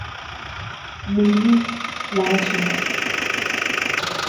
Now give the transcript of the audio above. Mais lui, la rassurait.